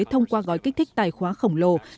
thông qua gói kích thích tài khoá khổng lồ